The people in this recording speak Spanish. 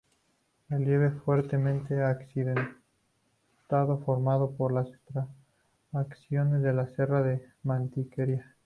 Relieve fuertemente accidentado, formado por las estribaciones de la Serra da Mantiqueira.